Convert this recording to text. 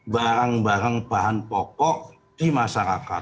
barang barang bahan pokok di masyarakat